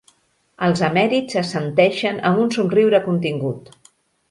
Els emèrits assenteixen amb un somriure contingut.